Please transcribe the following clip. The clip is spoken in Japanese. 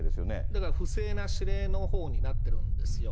だから不正な指令のほうになっているわけですよ。